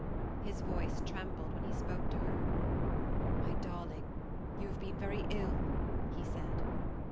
His voice trembled when he spoke to her. "My darling, you have been very ill," he said.